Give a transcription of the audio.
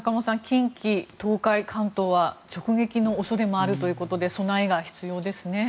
近畿、東海、関東は直撃の恐れもあるということで備えが必要ですね。